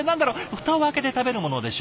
蓋を開けて食べるものでしょう？